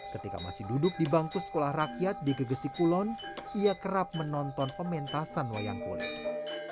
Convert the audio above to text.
ketika masih duduk di bangku sekolah rakyat di gegesi kulon ia kerap menonton pementasan wayang kulit